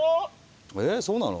えそうなの？